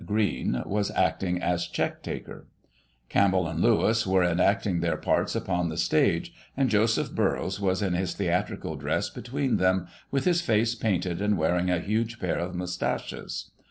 Green, was acting as check taker. Campbell and Lewis were enacting their parts upon the stage, and Joseph Burrows was in his theatrical dress between them, with his face painted and wearing a huge pair of moustaches.